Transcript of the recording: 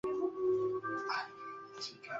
En España se le apodaba "El puma de Baracoa".